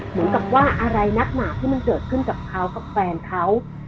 เหมือนกับว่าอะไรนักหนาที่มันเกิดขึ้นกับเขากับแฟนเขา